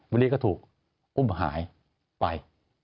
บิลลี่ก็ถูกอุ้มหายไป